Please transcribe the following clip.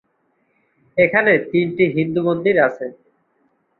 এখানে তিনটি হিন্দু মন্দির আছে।